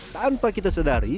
tanpa kita sedari